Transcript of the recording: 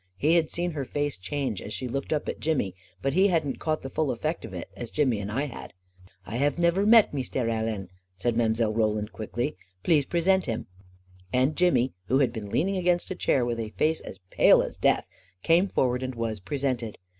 He had seen her face change as she looked up at Jimmy, but he hadn't caught the full effect of it, as Jimmy and I had. " I have never met Meestaire Allen," said Mile. Roland quickly. " Please present him." And Jimmy, who had been leaning against a chair, with a face as pale as death, came forward and was presented.